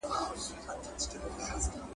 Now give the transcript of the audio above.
څه خوبونه سړی ویني بیرته څنګه پناه کیږي !.